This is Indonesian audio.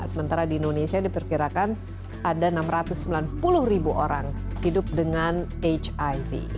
sementara di indonesia diperkirakan ada enam ratus sembilan puluh ribu orang hidup dengan hiv